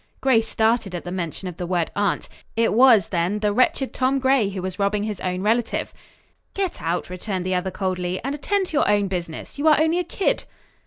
Grace started at the mention of the word "aunt." It was, then, the wretched Tom Gray who was robbing his own relative! "Get out!" returned the other coldly, "and attend to your own business. You are only a kid."